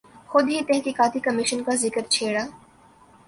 خود ہی تحقیقاتی کمیشن کا ذکر چھیڑا۔